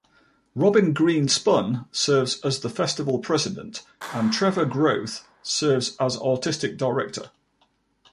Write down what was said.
Robin Greenspun serves as the Festival president, and Trevor Groth serves as artistic director.